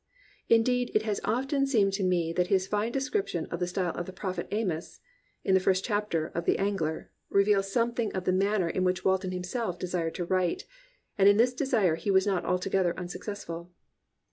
Indeed it has often seemed to me that his fine description of the style of the Prophet Amos, (in the first chapter of the AngleVy) reveals something of the manner in which Walton himself desired to write; and in this desire he was not altogether unsuccessful.